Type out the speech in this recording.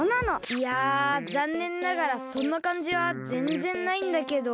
いやざんねんながらそんなかんじはぜんぜんないんだけど。